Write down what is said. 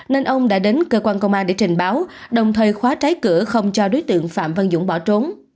nên ông đã đến cơ quan công an để trình báo đồng thời khóa trái cửa không cho đối tượng phạm văn dũng bỏ trốn